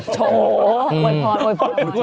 โถ่โอ้ยพอ